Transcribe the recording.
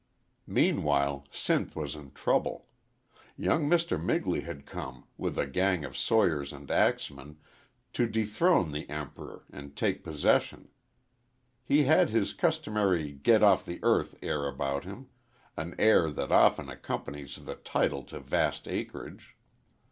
"_ Meanwhile Sinth was in trouble. Young Mr. Migley had come, with a gang of sawyers and axemen, to dethrone the Emperor and take possession. He had his customary get off the earth air about him an air that often accompanies the title to vast acreage.